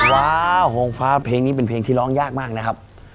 ว้าวโฮงฟ้าเพลงนี้เป็นเพลงที่ร้องยากมากนะครับ